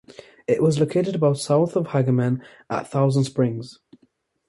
It was located about south of Hagerman at Thousand Springs.